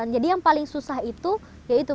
jadi yang paling susah itu